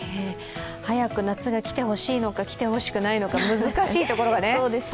早く夏が来てほしいのか、来てほしくないのか、難しいところです。